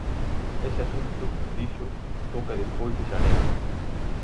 Ese asunto, dixo, toca despois de xaneiro.